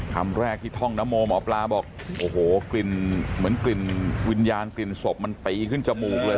คำแรกที่ท่องนโมหมอปลาบอกโอ้โหกลิ่นเหมือนกลิ่นวิญญาณกลิ่นศพมันตีขึ้นจมูกเลย